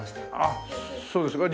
あっそうですか？